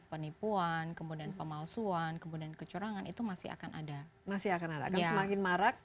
penipuan kemudian pemalsuan kemudian kecurangan itu masih akan ada masih akan ada akan semakin marak